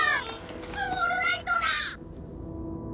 スモールライトだ！